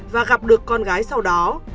và gặp được con gái sau đó